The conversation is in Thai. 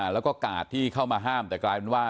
แล้วก็กาดที่เข้ามาห้ามแต่กลายเป็นว่า